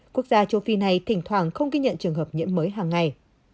quốc gia châu phi này thỉnh thoảng không ghi nhận trường hợp nhiễm mới hàng ngày